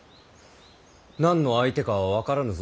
何の相手かは分からぬぞ。